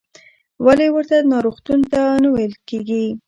ولې ورته ناروغتون نه ویل کېږي؟